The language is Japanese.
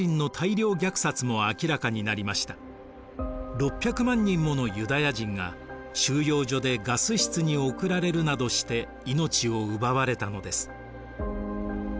６００万人ものユダヤ人が収容所でガス室に送られるなどして命を奪われたのです。